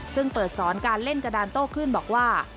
ซึ่งเปิดสอนการเล่นกระดานโต้ขึ้นบอกว่า